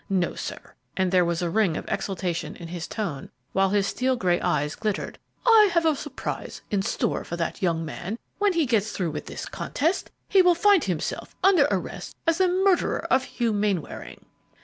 No, sir," and there was a ring of exultation in his tone, while his steel gray eyes glittered, "I have a surprise in store for the young man; when he gets through with this contest, he will find himself under arrest as the murderer of Hugh Mainwaring."